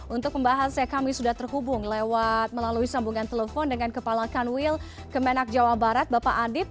untuk pembahasnya kami sudah terhubung lewat melalui sambungan telepon dengan kepala kanwil kemenak jawa barat bapak adib